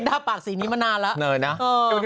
ไม่เห็นน่าปากสีนี้มานานแล้์